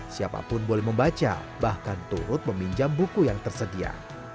siapapun boleh membaca bahkan turut meminjam buku yang tersedia